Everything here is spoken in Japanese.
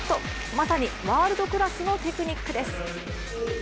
まさにワールドクラスのテクニックです。